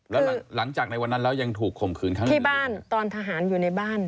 แล้วหลังจากในวันนั้นแล้วยังถูกข่มขืนครั้งนี้ที่บ้านตอนทหารอยู่ในบ้าน